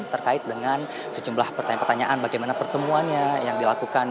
terkait dengan sejumlah pertanyaan pertanyaan bagaimana pertemuannya yang dilakukan